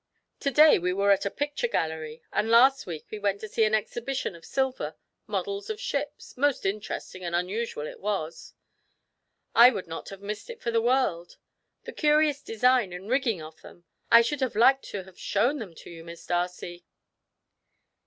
To day we were at a picture gallery, and last week we went to see an exhibition of silver, models of ships, most interesting and unusual it was; I would not have missed it for the world. The curious design and rigging of them! I should like to have shown them to you, Miss Darcy."